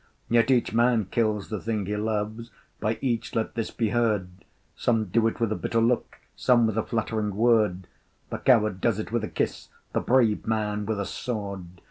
Yet each man kills the thing he loves By each let this be heard, Some do it with a bitter look, Some with a flattering word, The coward does it with a kiss, The brave man with a sword!